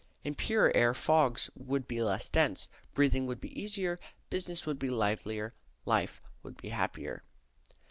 In purer air fogs would be less dense, breathing would be easier, business would be livelier, life would be happier.